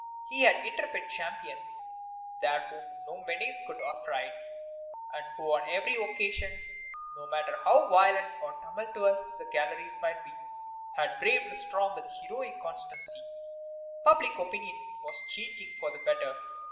He had intrepid champions there whom no menace could affright, and who on every occasion, no matter how violent or tumultuous the galleries might be, had braved the storm with heroic constancy. Public opinion was changing for the better.